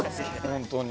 本当に。